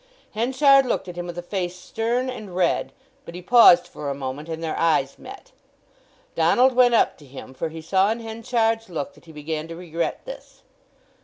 Henchard looked at him with a face stern and red. But he paused for a moment, and their eyes met. Donald went up to him, for he saw in Henchard's look that he began to regret this.